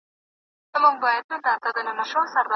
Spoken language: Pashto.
اور د کوه طور سمه، حق سمه، منصور سمه